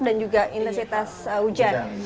dan juga intensitas hujan